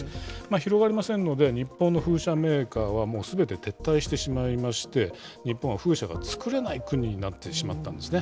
広がりませんので、日本の風車メーカーは、もうすべて撤退してしまいまして、日本は風車が作れない国になってしまったんですね。